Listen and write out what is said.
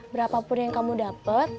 berapapun yang kamu dapet